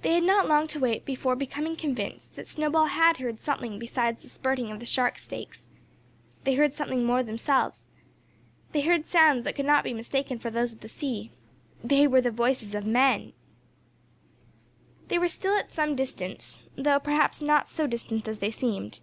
They had not long to wait before becoming convinced that Snowball had heard something besides the spirting of the shark steaks. They heard something more themselves. They heard sounds that could not be mistaken for those of the sea. They were the voices of Men! They were still at some distance, though, perhaps, not so distant as they seemed.